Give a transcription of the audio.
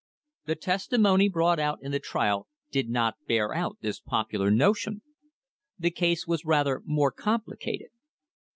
The testimony brought out in the trial did not bear out this popular notion. The case was rather more complicated.